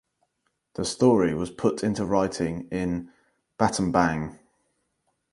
The story was put into writing in Battambang.